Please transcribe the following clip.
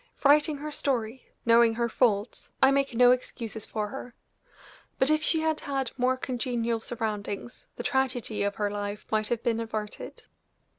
Writing her story, knowing her faults, I make no excuses for her; but if she had had more congenial surroundings the tragedy of her life might have been averted.